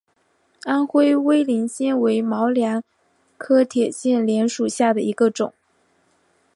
安徽威灵仙为毛茛科铁线莲属下的一个种。